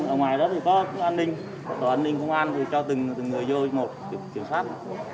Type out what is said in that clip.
ở ngoài đó thì có an ninh tòa an ninh công an cho từng người vô một kiểm soát